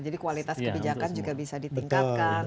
jadi kualitas kebijakan juga bisa ditingkatkan